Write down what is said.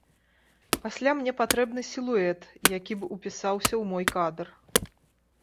Пасля мне патрэбны сілуэт, які б упісаўся ў мой кадр.